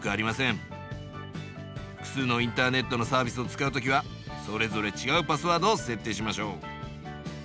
複数のインターネットのサービスを使う時はそれぞれちがうパスワードを設定しましょう。